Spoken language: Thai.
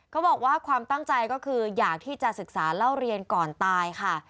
เขาบอกว่าความตั้งใจก็คืออยากที่จะศึกษาเล่าเรียนก่อนตายค่ะ